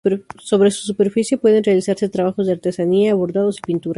Sobre su superficie pueden realizarse trabajos de artesanía, bordados y pinturas.